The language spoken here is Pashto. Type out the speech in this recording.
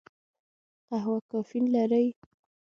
قهوه کافین لري